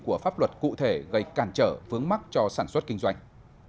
của pháp luật cụ thể gây cản trở vướng mắc cho sản xuất kinh doanh